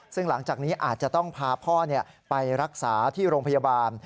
ซึ่งหลังจากนี้อาจจะต้องพาพ่อไปรักษาที่โรงพยาบาล